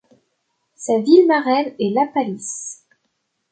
Sa ville marraine est Lapalisse.